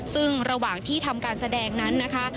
ซึ่งระหว่างที่ทำการแสดงนั้นนะคะ